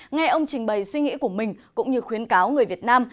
nghe ông trình bày suy nghĩ của mình cũng như khuyến cáo người việt nam